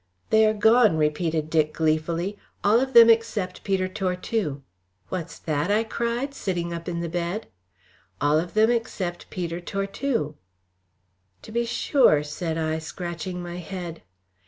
"They are gone," repeated Dick, gleefully, "all of them except Peter Tortue." "What's that?" I cried, sitting up in the bed. "All of them except Peter Tortue." "To be sure," said I, scratching my head.